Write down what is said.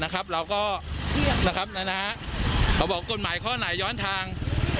เราก็บอกกฎหมายข้อไหนย้อนทาง